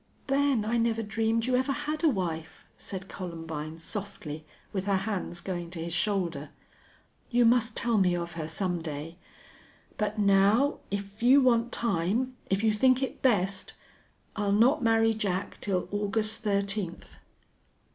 "Ben, I never dreamed you ever had a wife," said Columbine, softly, with her hands going to his shoulder. "You must tell me of her some day.... But now if you want time if you think it best I'll not marry Jack till August thirteenth."